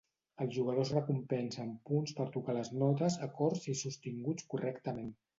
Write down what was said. El jugador es recompensa amb punts per tocar les notes, acords i sostinguts correctament.